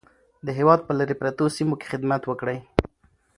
د هېواد په لیرې پرتو سیمو کې خدمت وکړئ.